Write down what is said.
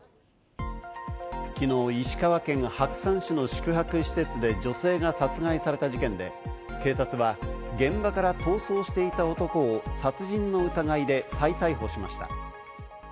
きのう石川県白山市の宿泊施設で女性が殺害された事件で、警察は現場から逃走していた男を殺人の疑いで再逮捕しました。